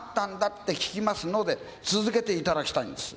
って聞きますので、続けていただきたいです。